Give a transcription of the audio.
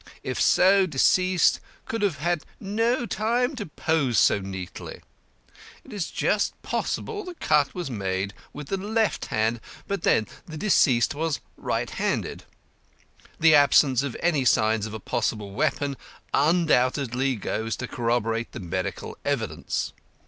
If so, deceased could have had no time to pose so neatly. It is just possible the cut was made with the left hand, but then the deceased was right handed. The absence of any signs of a possible weapon undoubtedly goes to corroborate the medical evidence.